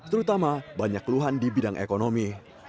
terutama banyak keluhan di bidang ekonomi